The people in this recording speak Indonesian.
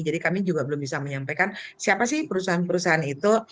jadi kami juga belum bisa menyampaikan siapa sih perusahaan perusahaan itu